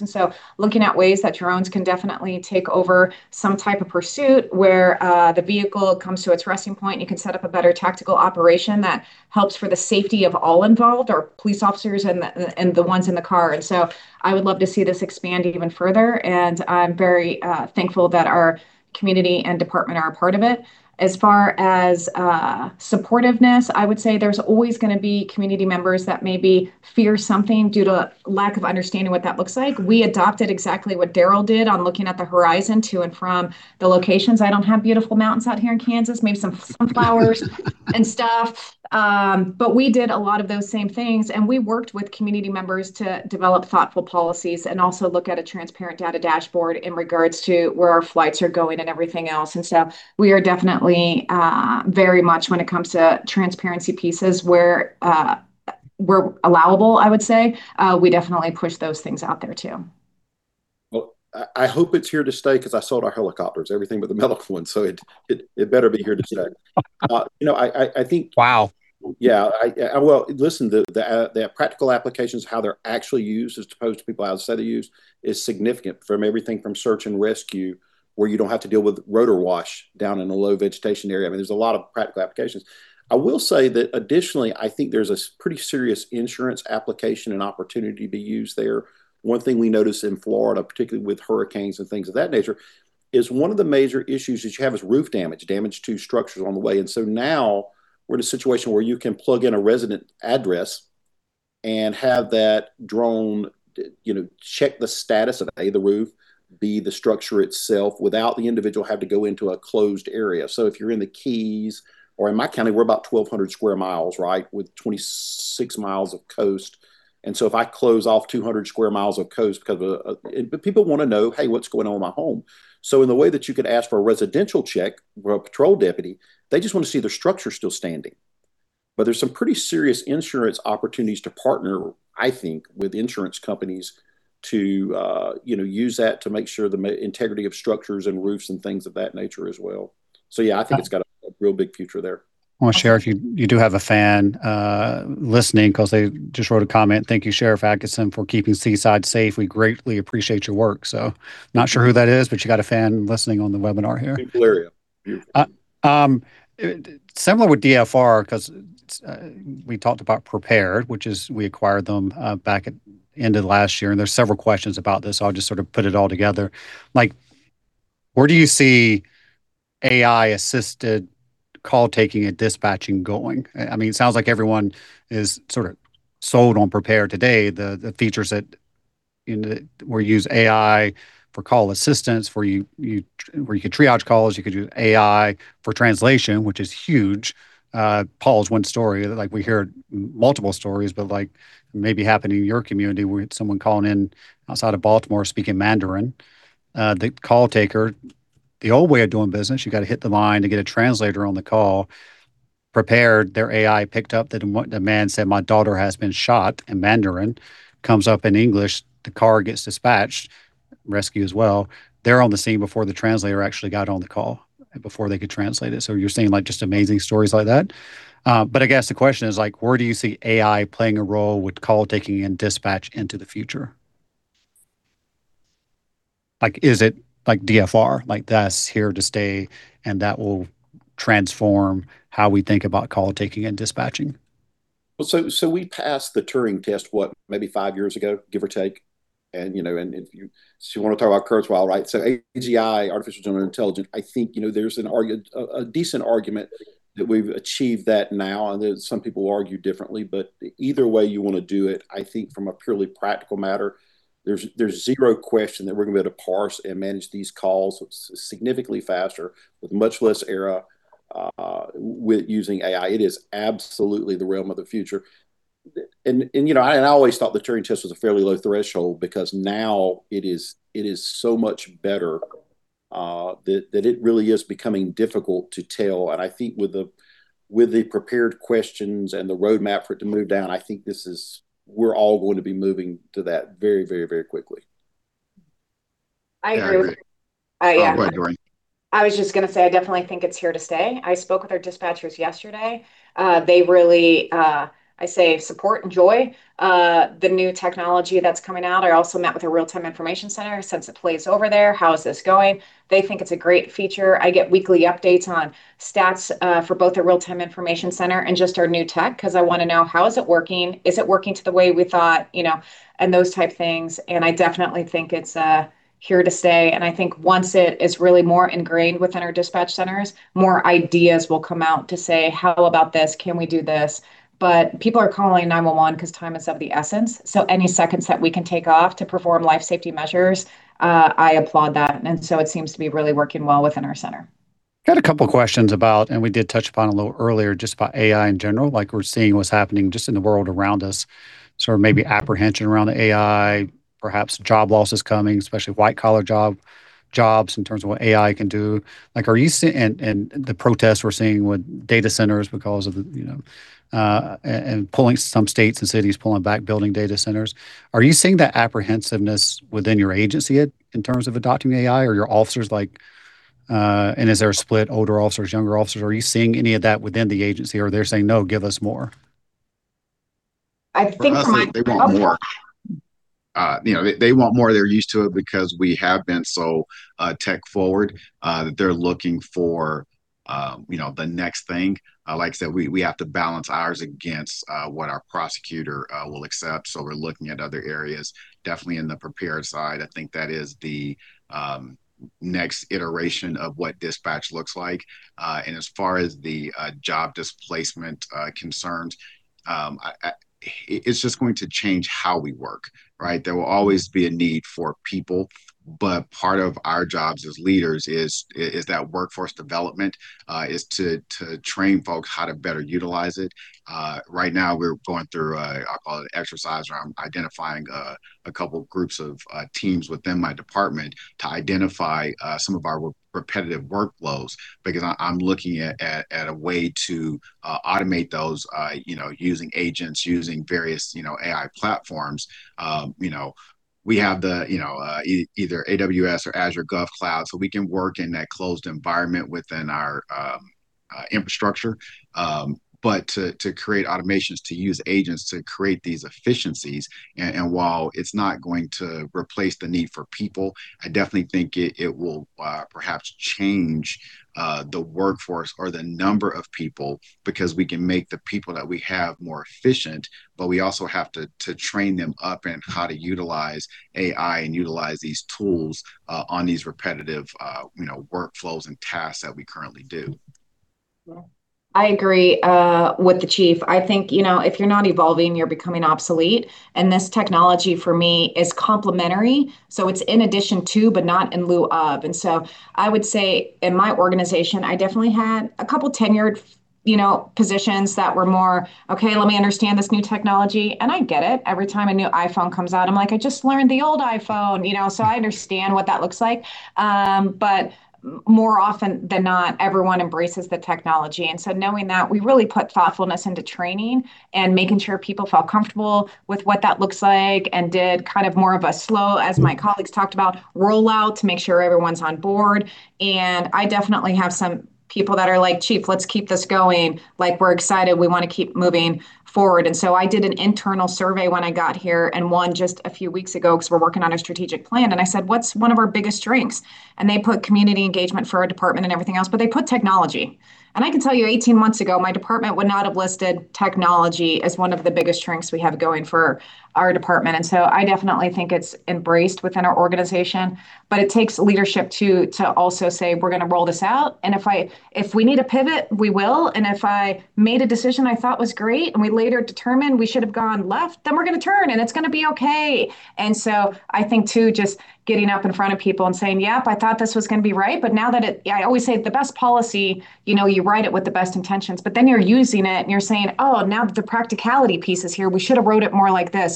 looking at ways that drones can definitely take over some type of pursuit where the vehicle comes to its resting point, you can set up a better tactical operation that helps for the safety of all involved, our police officers and the ones in the car. I would love to see this expand even further, and I'm very thankful that our community and department are a part of it. As far as supportiveness, I would say there's always going to be community members that maybe fear something due to lack of understanding what that looks like. We adopted exactly what Darrell did on looking at the horizon to and from the locations. I don't have beautiful mountains out here in Kansas. Maybe some sunflowers and stuff. We did a lot of those same things, and we worked with community members to develop thoughtful policies and also look at a transparent data dashboard in regards to where our flights are going and everything else. We are definitely very much when it comes to transparency pieces, where we're allowable, I would say. We definitely push those things out there too. Well, I hope it's here to stay because I sold our helicopters, everything but the medical one, so it better be here to stay. Wow. Yeah. Well, listen, the practical applications, how they're actually used as opposed to people outside the use is significant from everything from search and rescue, where you don't have to deal with rotor wash down in a low vegetation area. There's a lot of practical applications. I will say that additionally, I think there's a pretty serious insurance application and opportunity to be used there. One thing we notice in Florida, particularly with hurricanes and things of that nature, is one of the major issues that you have is roof damage to structures on the way. Now we're in a situation where you can plug in a resident address and have that drone check the status of, A, the roof, B, the structure itself without the individual have to go into a closed area. If you're in the Keys or in my county, we're about 1,200 sq mi with 26 mi of coast. If I close off 200 sq mi of coast because of people want to know, "Hey, what's going on with my home?" In the way that you could ask for a residential check or a patrol deputy, they just want to see their structure still standing. There's some pretty serious insurance opportunities to partner, I think, with insurance companies to use that to make sure the integrity of structures and roofs and things of that nature as well. Yeah, I think it's got a real big future there. Well, Sheriff, you do have a fan listening because they just wrote a comment. "Thank you, Sheriff Adkinson, for keeping Seaside safe. We greatly appreciate your work." Not sure who that is, but you got a fan listening on the webinar here. Beautiful area. Beautiful. Similar with DFR, because we talked about Prepared, which is we acquired them back at end of last year. There's several questions about this, I'll just sort of put it all together. Where do you see AI-assisted call taking and dispatching going? It sounds like everyone is sort of sold on Prepared today. The features that where you use AI for call assistance, where you could triage calls, you could use AI for translation, which is huge. Paul's one story, we hear multiple stories, but maybe happened in your community where you had someone calling in outside of Baltimore speaking Mandarin. The call taker, the old way of doing business, you got to hit the line to get a translator on the call. Prepared, their AI picked up that the man said, "My daughter has been shot," in Mandarin. Comes up in English. The car gets dispatched. Rescue as well. They're on the scene before the translator actually got on the call, before they could translate it. You're seeing just amazing stories like that. I guess the question is where do you see AI playing a role with call taking and dispatch into the future? Is it like DFR? Like that's here to stay and that will transform how we think about call taking and dispatching? Well, we passed the Turing test, what? Maybe five years ago, give or take. If you want to talk about Kurzweil, right? AGI, artificial general intelligence, I think there's a decent argument that we've achieved that now, and some people argue differently. Either way you want to do it, I think from a purely practical matter, there's zero question that we're going to be able to parse and manage these calls significantly faster with much less error with using AI. It is absolutely the realm of the future. I always thought the Turing test was a fairly low threshold because now it is so much better that it really is becoming difficult to tell. I think with the prepared questions and the roadmap for it to move down, I think we're all going to be moving to that very, very quickly. I agree. Go ahead, Doreen. I was just going to say, I definitely think it's here to stay. I spoke with our dispatchers yesterday. They really, I say support and joy, the new technology that's coming out. I also met with our Real Time Information Center, since it plays over there. How is this going? They think it's a great feature. I get weekly updates on stats for both our Real Time Information Center and just our new tech, because I want to know how is it working. Is it working to the way we thought, and those type things. I definitely think it's here to stay. I think once it is really more ingrained within our dispatch centers, more ideas will come out to say, "How about this? Can we do this?" People are calling 911 because time is of the essence, so any seconds that we can take off to perform life safety measures, I applaud that. It seems to be really working well within our center. Got a couple questions about, and we did touch upon a little earlier, just about AI in general. Like we're seeing what's happening just in the world around us, sort of maybe apprehension around the AI, perhaps job losses coming, especially white-collar jobs in terms of what AI can do. The protests we're seeing with data centers and some states and cities pulling back building data centers. Are you seeing that apprehensiveness within your agency yet in terms of adopting AI, or your officers? Is there a split, older officers, younger officers? Are you seeing any of that within the agency, or are they saying, "No, give us more"? I think my-- For us, they want more. They want more. They're used to it because we have been so tech forward that they're looking for the next thing. Like I said, we have to balance ours against what our prosecutor will accept, so we're looking at other areas. Definitely in the Prepared side, I think that is the next iteration of what dispatch looks like. As far as the job displacement concerns, it's just going to change how we work, right? There will always be a need for people, but part of our jobs as leaders is that workforce development, is to train folks how to better utilize it. Right now we're going through an exercise around identifying a couple groups of teams within my department to identify some of our repetitive workflows, because I'm looking at a way to automate those, using agents, using various AI platforms. We have the either AWS or Azure GovCloud, so we can work in that closed environment within our infrastructure. To create automations, to use agents to create these efficiencies, while it's not going to replace the need for people, I definitely think it will perhaps change the workforce or the number of people because we can make the people that we have more efficient, but we also have to train them up in how to utilize AI and utilize these tools on these repetitive workflows and tasks that we currently do. Yeah. I agree with the chief. I think, if you're not evolving, you're becoming obsolete. This technology for me is complimentary. It's in addition to, but not in lieu of. I would say in my organization, I definitely had a couple tenured positions that were more, "Okay, let me understand this new technology." I get it. Every time a new iPhone comes out, I'm like, "I just learned the old iPhone." I understand what that looks like. More often than not, everyone embraces the technology. Knowing that, we really put thoughtfulness into training and making sure people felt comfortable with what that looks like and did kind of more of a slow, as my colleagues talked about, rollout to make sure everyone's on board. I definitely have some people that are like, "Chief, let's keep this going. We're excited. We want to keep moving forward." I did an internal survey when I got here, one just a few weeks ago because we're working on a strategic plan, I said, "What's one of our biggest strengths?" They put community engagement for our department and everything else, but they put technology. I can tell you, 18 months ago, my department would not have listed technology as one of the biggest strengths we have going for our department. I definitely think it's embraced within our organization. It takes leadership too, to also say, "We're going to roll this out. If we need to pivot, we will. If I made a decision I thought was great, and we later determined we should have gone left, then we're going to turn and it's going to be okay." I think too, just getting up in front of people and saying, "Yep, I thought this was going to be right," but now that I always say that the best policy, you write it with the best intentions, but then you're using it and you're saying, "Oh, now that the practicality piece is here, we should have wrote it more like this."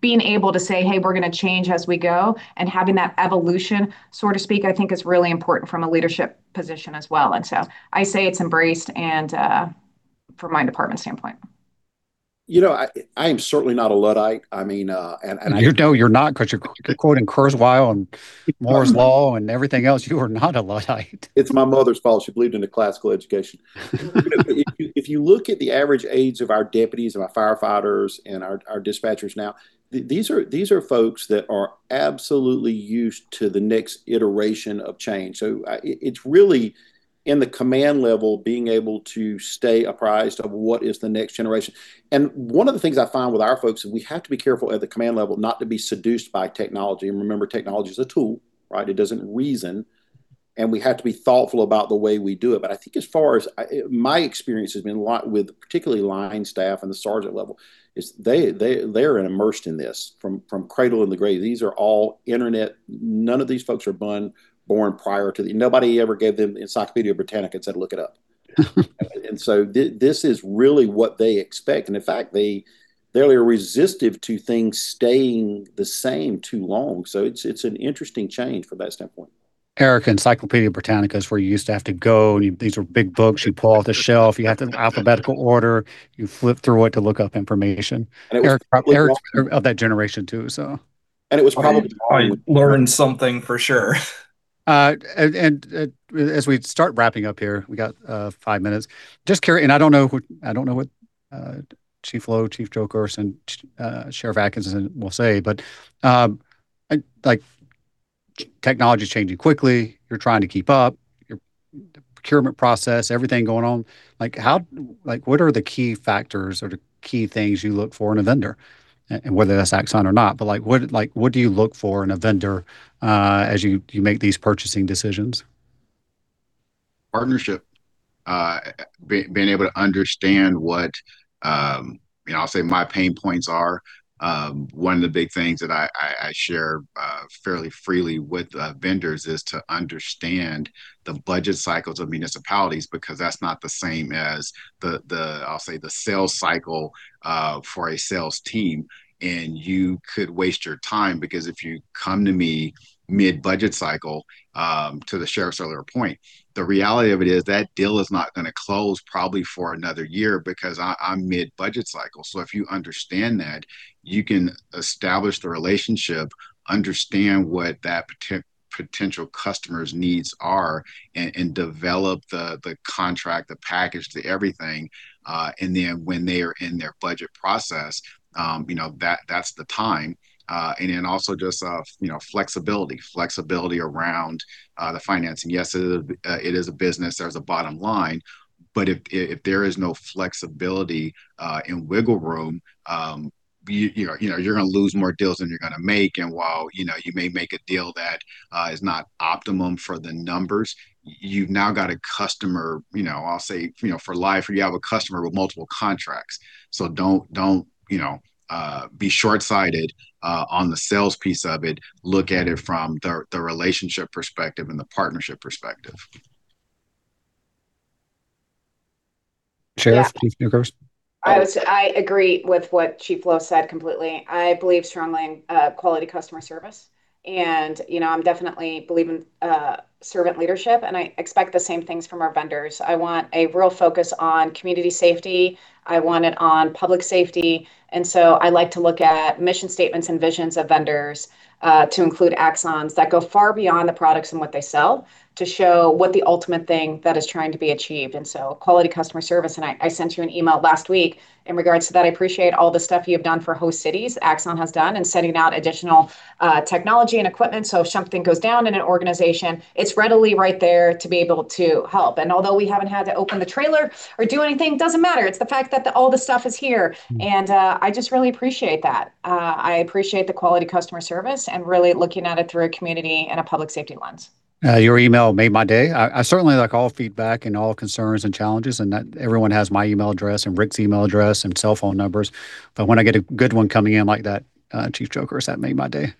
Being able to say, "Hey, we're going to change as we go," and having that evolution so to speak, I think is really important from a leadership position as well. I say it's embraced from my department standpoint. I am certainly not a Luddite. No, you're not because you're quoting Kurzweil on Moore's law and everything else. You are not a Luddite. It's my mother's fault. She believed in a classical education. If you look at the average age of our deputies, of our firefighters, and our dispatchers now, these are folks that are absolutely used to the next iteration of change. It's really in the command level, being able to stay apprised of what is the next generation. One of the things I find with our folks, and we have to be careful at the command level not to be seduced by technology, and remember, technology is a tool, right? It doesn't reason, and we have to be thoughtful about the way we do it. I think as far as my experience has been with particularly line staff and the sergeant level is they are immersed in this from cradle in the grave. These are all. None of these folks are born prior to. Nobody ever gave them an Encyclopædia Britannica and said, "Look it up." This is really what they expect, and in fact, they're resistive to things staying the same too long. It's an interesting change from that standpoint. Erik, Encyclopædia Britannica is where you used to have to go. These were big books you pull off the shelf. You have them in alphabetical order. You flip through it to look up information. It was. Erik's of that generation, too. I learned something for sure. As we start wrapping up here, we got five minutes. I don't know what Chief Lowe, Chief Jokerst, and Sheriff Adkinson will say, technology's changing quickly. You're trying to keep up. Your procurement process, everything going on. What are the key factors or the key things you look for in a vendor? Whether that's Axon or not, what do you look for in a vendor as you make these purchasing decisions? Partnership. Being able to understand what, I'll say my pain points are. One of the big things that I share fairly freely with vendors is to understand the budget cycles of municipalities, that's not the same as the, I'll say the sales cycle, for a sales team. You could waste your time, because if you come to me mid-budget cycle, to the sheriff's earlier point, the reality of it is that deal is not going to close probably for another year because I'm mid-budget cycle. If you understand that, you can establish the relationship, understand what that potential customer's needs are, and develop the contract, the package, the everything. When they are in their budget process, that's the time. Also just flexibility. Flexibility around the financing. Yes, it is a business. There's a bottom line. If there is no flexibility and wiggle room, you're going to lose more deals than you're going to make. While you may make a deal that is not optimum for the numbers, you've now got a customer I'll say for life, or you have a customer with multiple contracts. Don't be shortsighted on the sales piece of it. Look at it from the relationship perspective and the partnership perspective. Sheriff, Chief Jokerst. Yeah. I agree with what Chief Lowe said completely. I believe strongly in quality customer service. I definitely believe in servant leadership, and I expect the same things from our vendors. I want a real focus on community safety. I want it on public safety. I like to look at mission statements and visions of vendors, to include Axon that go far beyond the products and what they sell, to show what the ultimate thing that is trying to be achieved. Quality customer service. I sent you an email last week in regards to that. I appreciate all the stuff you have done for host cities, Axon has done in sending out additional technology and equipment so if something goes down in an organization, it's readily right there to be able to help. Although we haven't had to open the trailer or do anything, doesn't matter. It's the fact that all the stuff is here. I just really appreciate that. I appreciate the quality customer service and really looking at it through a community and a public safety lens. Your email made my day. I certainly like all feedback and all concerns and challenges, and everyone has my email address and Erik's email address and cell phone numbers. When I get a good one coming in like that, Chief Jokerst, that made my day.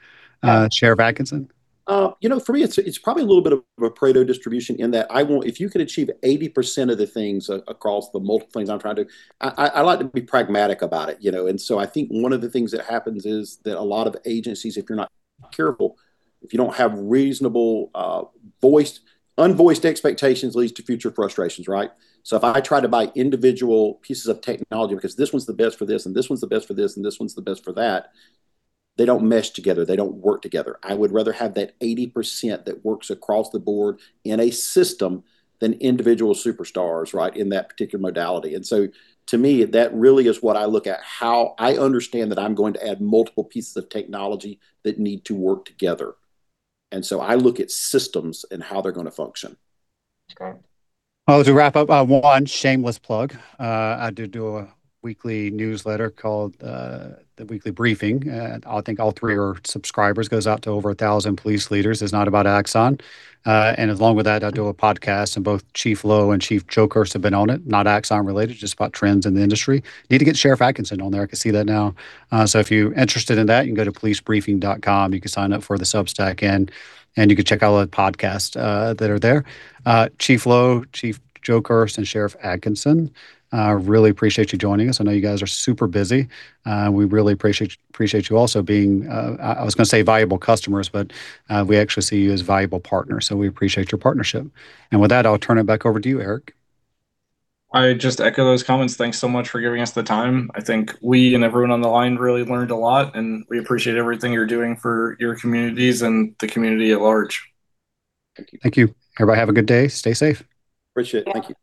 Sheriff Adkinson? For me, it's probably a little bit of a Pareto distribution in that if you could achieve 80% of the things across the multiple things I'm trying to do. I like to be pragmatic about it. I think one of the things that happens is that a lot of agencies, if you're not careful, if you don't have reasonable voiced expectations leads to future frustrations, right? If I try to buy individual pieces of technology because this one's the best for this, and this one's the best for this, and this one's the best for that, they don't mesh together. They don't work together. I would rather have that 80% that works across the board in a system than individual superstars, right? In that particular modality. To me, that really is what I look at, how I understand that I'm going to add multiple pieces of technology that need to work together. I look at systems and how they're going to function. Okay. Well, to wrap up, one shameless plug. I do a weekly newsletter called "The Weekly Briefing," and I think all three are subscribers. Goes out to over 1,000 police leaders. It's not about Axon. Along with that, I do a podcast, and both Chief Lowe and Chief Jokerst have been on it, not Axon related, just about trends in the industry. Need to get Sheriff Adkinson on there. I can see that now. If you're interested in that, you can go to policebriefing.com. You can sign up for the Substack, and you can check out all the podcasts that are there. Chief Lowe, Chief Jokerst, and Sheriff Adkinson, really appreciate you joining us. I know you guys are super busy. We really appreciate you also being I was going to say valuable customers, but we actually see you as valuable partners, so we appreciate your partnership. With that, I'll turn it back over to you, Erik. I just echo those comments. Thanks so much for giving us the time. I think we, and everyone on the line really learned a lot, and we appreciate everything you're doing for your communities and the community at large. Thank you. Everybody have a good day. Stay safe. Appreciate it. Thank you.